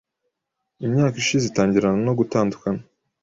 imyaka ishize itangirana no gutandukana